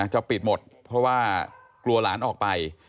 จะปิดหมดเพราะว่ากลัวหลานออกไป